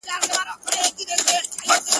چي بيا ترې ځان را خلاصولای نسم~